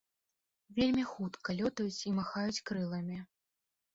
Вельмі хутка лётаюць і махаюць крыламі.